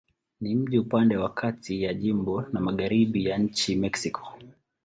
Ni mji upande wa kati ya jimbo na magharibi ya nchi Mexiko.